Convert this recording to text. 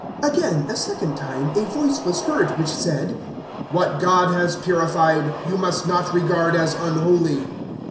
010:015 Again a second time a voice was heard which said, "What God has purified, you must not regard as unholy."